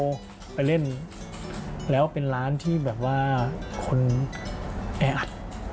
ไปเล่นแล้วเป็นร้านที่แบบว่าคนแออัด